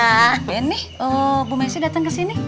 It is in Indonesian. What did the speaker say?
ben nih bu mesih dateng kesini